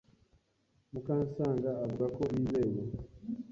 Mukansanga avuga ko bizeye